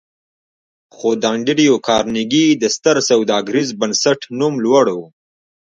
خو د انډريو کارنګي د ستر سوداګريز بنسټ نوم لوړ و.